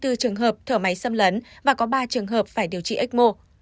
hai mươi bốn trường hợp thở máy xâm lấn và có ba trường hợp phải điều trị ecmo